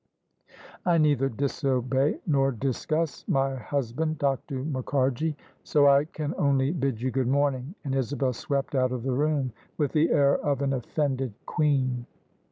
" I neither disob^ nor discuss my husband. Dr. Muk THE SUBJECTION harji: so I can only bid you good morning." And Isabel swept out of the room with the air of an offended queen.